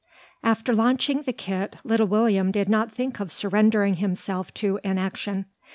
After launching the kit, little William did not think of surrendering himself to inaction.